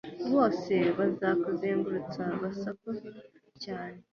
bose bazakuzengurutse basakuza cyane